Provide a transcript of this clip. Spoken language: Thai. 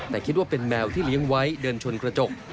แต่คิดว่าเป็นแมวที่เลี้ยงไว้เดินชนกระจก